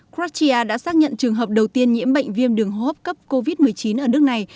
kratia đã xác nhận trường hợp đầu tiên nhiễm bệnh viêm đường hô hấp cấp covid một mươi chín ở nước này